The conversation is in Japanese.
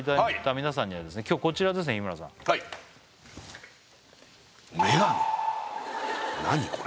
皆さんにはですね今日こちらですね日村さん何これ？